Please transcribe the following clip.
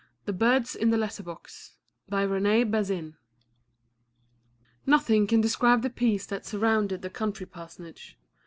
THE BIRDS IN THE LETTER BOX BY RENE BAZIN Nothing can describe the peace that surrounded the country parsonage.